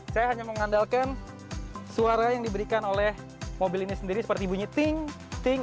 saya hanya mengandalkan suara yang diberikan oleh mobil ini sendiri seperti bunyi ting ting